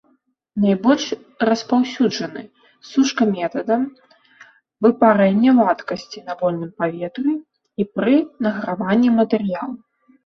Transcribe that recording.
Найбольш распаўсюджаны сушка метадам выпарэння вадкасці на вольным паветры і пры награванні матэрыялу.